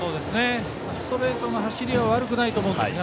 ストレートの走りは悪くないと思うんですが